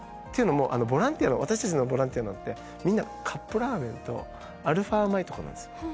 というのもボランティアの私たちのボランティアなんてみんなカップラーメンとアルファ米とかなんですよ。